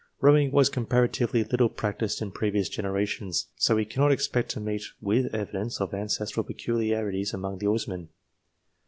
Kowing was comparatively little practised in previous generations, so we cannot expect to meet with evidence of ancestral peculiarities among the oarsmen.